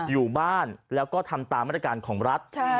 อยู่บ้านแล้วก็ทำตามมาตรการของรัฐ